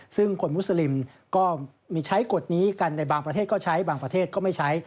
ซึ่งคนมุสลิมก็มีใช้กฎนี้กันในบางประเทศก็ใช้บางประเทศก็ไม่ใช้